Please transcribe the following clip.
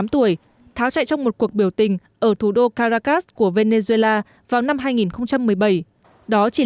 hai mươi tám tuổi tháo chạy trong một cuộc biểu tình ở thủ đô caracas của venezuela vào năm hai nghìn một mươi bảy đó chỉ